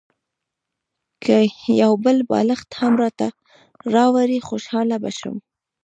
که یو بل بالښت هم راته راوړې خوشاله به شم.